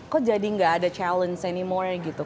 kok jadi gak ada challenge senior gitu